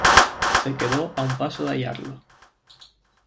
Se quedó a un paso de hallarlo.